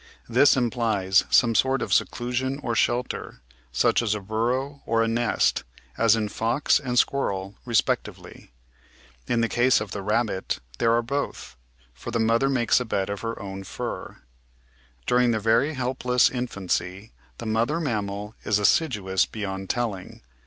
This implies some sort of se clusion or shelter, such as a burrow or a nest, as in Fox and Squirrel respectively. In the case of the Rabbit there are both, for the mother makes a bed of her own fur. During the very help less infancy, the mother mammal is assiduous beyond telling.